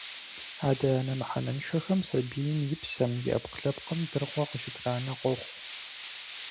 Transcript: Адэ-анэ мыхьэнэншэхэм сабийм и псэм, и ӏэпкълъэпкъым дыркъуэ къыщытранэ къохъу.